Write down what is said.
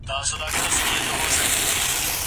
که وخت وي، پلان جوړوم!.